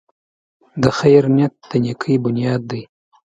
د خیر نیت د نېکۍ بنیاد دی.